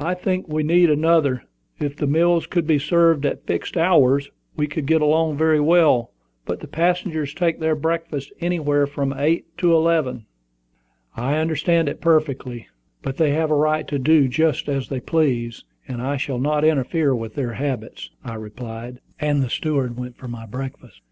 "I think we need another. If the meals could be served at fixed hours, we could get along very well; but the passengers take their breakfast anywhere from eight to eleven." "I understand it perfectly; but they have a right to do just as they please, and I shall not interfere with their habits," I replied; and the steward went for my breakfast.